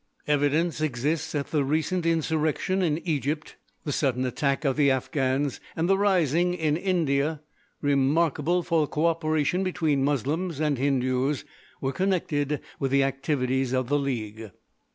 Evidence exists that the recent insurrection in Egypt, the sudden attack of the Afghans, and the rising in India, remarkable for co operation between Moslems and Hindus, were connected with the activities of the league.